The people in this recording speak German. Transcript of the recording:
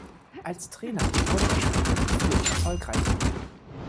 Als Trainer wurde er später noch viel erfolgreicher.